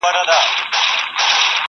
مندوشاه به کاڼه واچول غوږونه؛